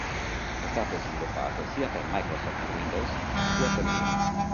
È stato sviluppato sia per Microsoft Windows sia per Linux.